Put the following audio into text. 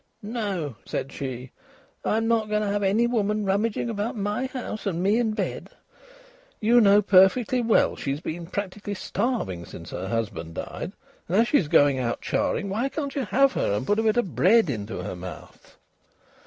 "No," said she. "I'm not going to have any woman rummaging about my house, and me in bed." "You know perfectly well she's been practically starving since her husband died, and as she's going out charing, why can't you have her and put a bit of bread into her mouth?"